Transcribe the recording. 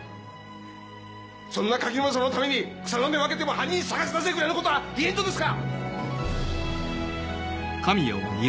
そんな垣沼さんのために草の根分けても犯人捜し出せぐらいのことは言えんとですか！！